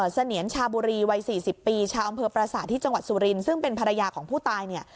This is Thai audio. เสนียนชาบุรีวัย๔๐ปีชาวอำเภอประสาทที่จังหวัดสุรินทร์ซึ่งเป็นภรรยาของผู้ตายเนี่ย